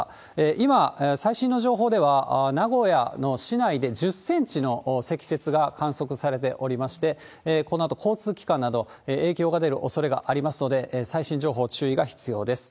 今、最新の情報では、名古屋の市内で１０センチの積雪が観測されておりまして、このあと、交通機関など影響が出るおそれがありますので、最新情報、注意が必要です。